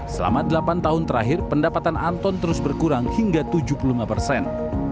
selama delapan tahun terakhir pendapatan anton terus berkurang hingga tujuh puluh lima persen